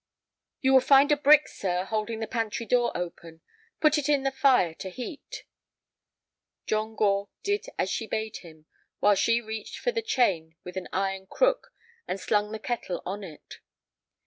"You will find a brick, sir, holding the pantry door open. Put it in the fire to heat." John Gore did as she bade him, while she reached for the chain with an iron crook and slung the kettle on it.